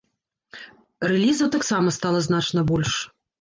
Рэлізаў таксама стала значна больш.